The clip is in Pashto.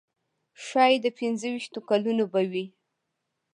ښایي د پنځه ویشتو کلونو به وي.